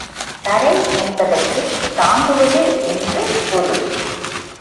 தரை என்பதற்குத் தாங்குவது என்று பொருள்.